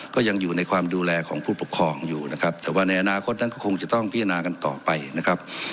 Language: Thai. ก็ยังอยู่ในความดูแลของผู้ปกครองอยู่นะครับแต่ว่าในอนาคตนั้นก็คงจะต้องพิจารณากันต่อไปนะครับ